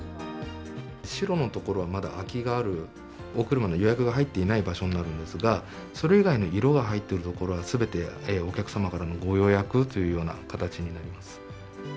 白の所はまだ空きがある、お車の予約が入っていない場所になるのですが、それ以外の色が入っている所はすべてお客様からのご予約というような形になります。